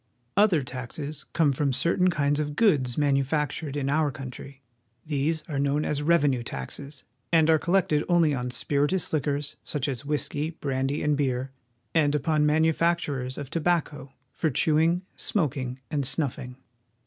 Other taxes come from certain kinds of goods manufac tured in our country. These are known as revenue taxes, and are collected only on spirituous liquors, such as whisky, CARP. X. ANf. —^ 40 WASHINGTON. brandy, and beer, and upon manufactures of tobacco for chewing, smoking, and snuffing.